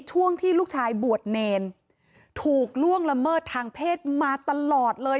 ช่วงที่ลูกชายบวชเนรถูกล่วงละเมิดทางเพศมาตลอดเลย